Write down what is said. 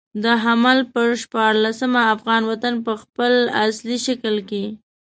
د حمل پر شپاړلسمه افغان وطن په خپل اصلي شکل کې.